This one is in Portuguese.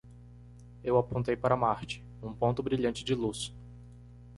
Eu apontei para Marte? um ponto brilhante de luz.